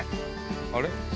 あれ？